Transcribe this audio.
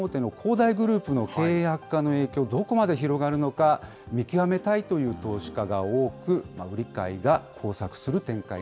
大グループの経営悪化の影響、どこまで広がるのか、見極めたいという投資家が多く、売り買いが交錯する展開